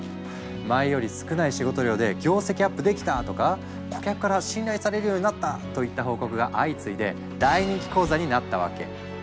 「前より少ない仕事量で業績アップできた！」とか「顧客から信頼されるようになった！」といった報告が相次いで大人気講座になったわけ。